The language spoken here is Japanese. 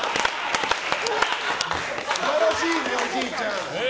素晴らしいね、おじいちゃん。